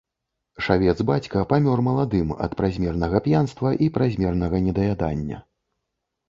Шавец бацька памёр маладым ад празмернага п'янства і празмернага недаядання.